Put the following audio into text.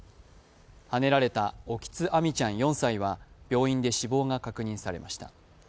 はねられた沖津亜海ちゃん４歳は病院で死亡が確認されました。